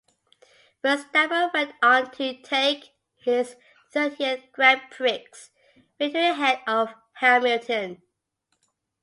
Verstappen went on to take his thirteenth Grand Prix victory ahead of Hamilton.